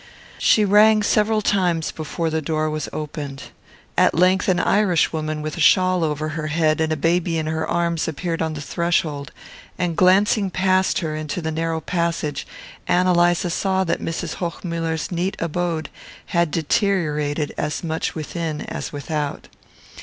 She rang several times before the door was opened. At length an Irish woman with a shawl over her head and a baby in her arms appeared on the threshold, and glancing past her into the narrow passage Ann Eliza saw that Mrs. Hochmuller's neat abode had deteriorated as much within as without.